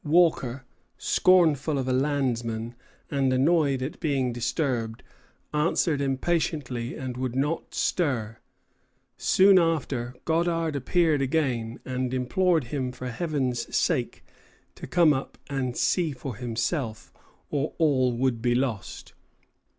Walker, scornful of a landsman, and annoyed at being disturbed, answered impatiently and would not stir. Soon after, Goddard appeared again, and implored him for Heaven's sake to come up and see for himself, or all would be lost.